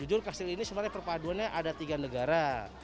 jujur kastil ini sebenarnya perpaduannya ada tiga negara